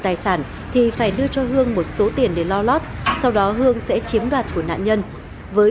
tài sản thì phải đưa cho hương một số tiền để lo lót sau đó hương sẽ chiếm đoạt của nạn nhân với